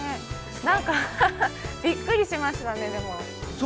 ◆なんか、びっくりしましたね、でも。